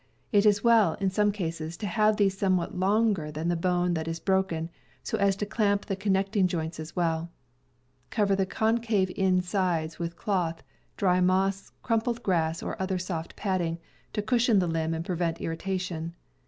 It is well, in some cases, to have these somewhat longer than the bone that is broken, so as to clamp the connecting joints as well. Cover the con cave insides with cloth, dry moss, crumpled grass, or other soft padding, to cushion the limb and prevent irritation.